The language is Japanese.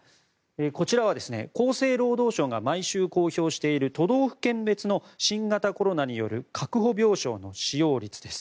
こちらは厚生労働省が毎週公表している都道府県別の新型コロナによる確保病床の使用率です。